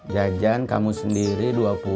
jajan kamu sendiri dua puluh